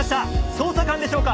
捜査官でしょうか？」